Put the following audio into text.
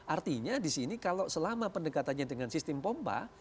artinya di sini kalau selama pendekatannya dengan sistem pompa